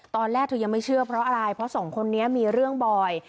ตอนแรกเธอยังไม่เชื่อเพราะอะไรเพราะสองคนนี้มีเรื่องบ่อย